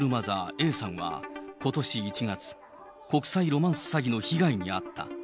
Ａさんは、ことし１月、国際ロマンス詐欺の被害に遭った。